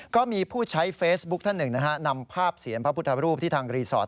ก็มีผู้ใช้เฟซบุ๊คท่านหนึ่งนะฮะนำภาพเสียงพระพุทธรูปที่ทางรีสอร์ท